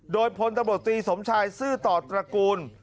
โดยพลตำรวจตรีสมชายซื่อต่อตระกูล